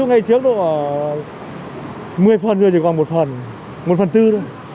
ngày trước đó một mươi phần rồi chỉ còn một phần một phần bốn thôi